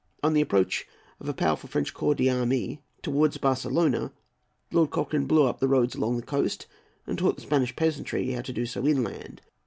On the approach of a powerful French corps d'armée towards Barcelona, Lord Cochrane blew up the roads along the coast, and taught the Spanish peasantry how to do so inland.